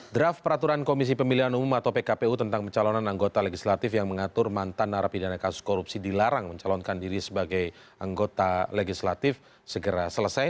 draft peraturan komisi pemilihan umum atau pkpu tentang pencalonan anggota legislatif yang mengatur mantan narapidana kasus korupsi dilarang mencalonkan diri sebagai anggota legislatif segera selesai